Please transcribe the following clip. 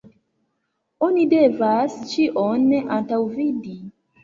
Oni devas ĉion antaŭvidi.